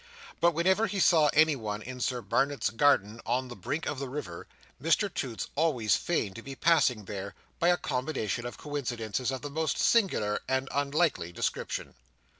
But whenever he saw anyone in Sir Barnet's garden on the brink of the river, Mr Toots always feigned to be passing there, by a combination of coincidences of the most singular and unlikely description.